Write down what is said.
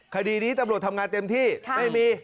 คดีนี้ตำรวจทำงานเต็มที่ไม่มี